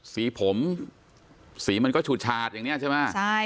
สีผมสีมันก็ฉูดฉาดอย่างนี้ใช่ไหม